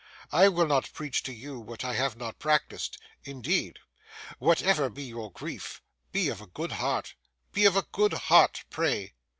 I will not preach to you what I have not practised, indeed. Whatever be your grief, be of a good heart—be of a good heart, pray!